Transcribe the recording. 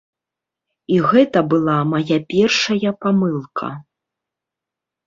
І гэта была мая першая памылка.